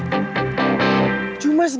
dan ini cuma rejah